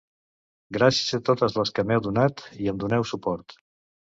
Gràcies a totes les que m'heu donat i em doneu suport.